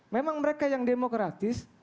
memang mereka yang demokratis